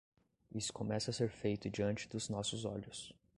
Isso começa a ser feito diante dos nossos olhos.